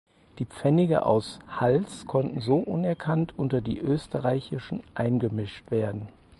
Die Pfennige aus Hals konnten so unerkannt unter die österreichischen eingemischt werden.